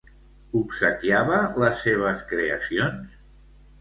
Obsequiava les seves creacions?